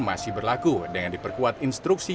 masih berlaku dengan diperkuat instruksi